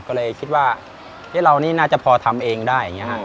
ก็เลยคิดว่าเรานี่น่าจะพอทำเองได้อย่างนี้ฮะ